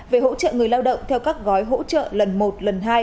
về hỗ trợ người lao động theo các gói hỗ trợ lần một lần hai